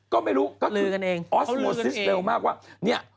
ก็ไม่รู้ออสโมซิสเร็วมากว่า